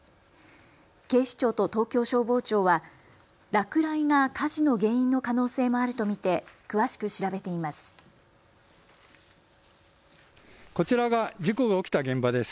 警視庁と東京消防庁は落雷が火事の原因の可能性もあると見て詳しく調べています。